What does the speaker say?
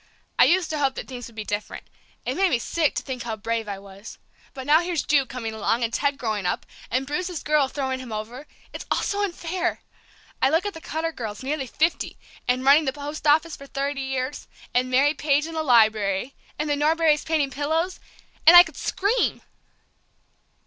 "I used to hope that things would be different; it makes me sick to think how brave I was; but now here's Ju coming along, and Ted growing up, and Bruce's girl throwing him over it's all so unfair! I look at the Cutter girls, nearly fifty, and running the post office for thirty years, and Mary Page in the Library, and the Norberrys painting pillows, and I could scream!"